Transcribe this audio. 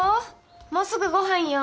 もうすぐご飯よ。